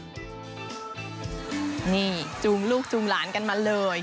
นี่จูงลูกจูงหลานกันมาเลย